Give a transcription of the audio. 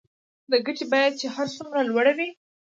د ګټې بیه چې هر څومره لوړه وي